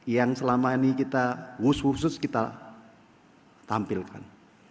yang selama ini kita wuss wuss wuss kita tampilkan